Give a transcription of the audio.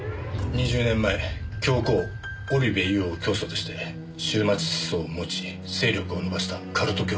２０年前教皇・織部イヨを教祖として終末思想を持ち勢力を伸ばしたカルト教団だ。